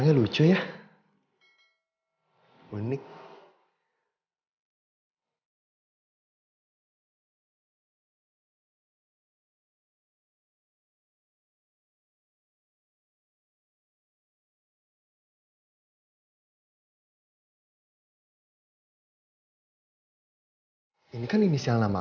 ini cukup kan ya